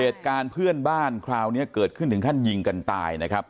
เหตุการณ์เพื่อนบ้านคราวนี้เกิดขึ้นถึงขั้นยิงกันตายนะครับ